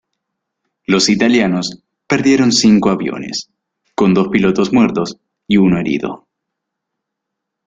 Los italianos perdieron cinco aviones, con dos pilotos muertos y uno herido.